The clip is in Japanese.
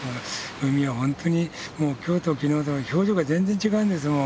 海はホントに今日と昨日と表情が全然違うんですもん。